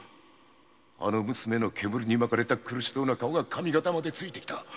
あの娘の煙に巻かれた苦しそうな顔が上方までついてきた